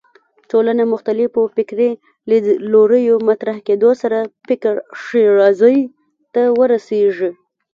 ټولنه مختلفو فکري لیدلوریو مطرح کېدو سره فکر ښېرازۍ ته ورسېږي